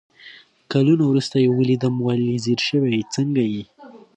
کالونه ورورسته يې ويلدم ول يې ځير شوي يې ، څنګه يې ؟